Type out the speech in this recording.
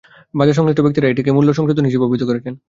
বাজারসংশ্লিষ্ট ব্যক্তিরা এটিকে মূল্য সংশোধন হিসেবে অভিহিত করছেন।